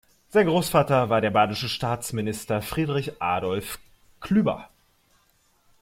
Sein Großvater war der badische Staatsminister Friedrich Adolf Klüber.